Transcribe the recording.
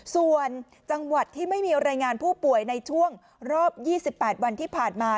ส่วนจังหวัดที่ไม่มีรายงานผู้ป่วยในช่วงรอบ๒๘วันที่ผ่านมา